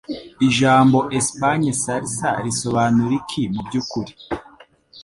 Ijambo Espagne Salsa risobanura iki mubyukuri